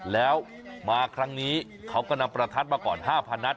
แล้วมาครั้งนี้เขาก็นำประทัดมาก่อน๕๐๐นัด